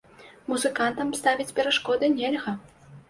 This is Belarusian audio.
Музыкантам ставіць перашкоды нельга.